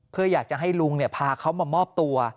เพื่ออยากจะให้ลุงพาเขามามอบตัว